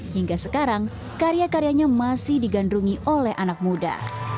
hingga sekarang karya karyanya masih digandrungi oleh anak muda